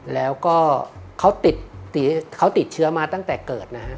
แล้วก็เขาติดเชื้อมาตั้งแต่เกิดนะฮะ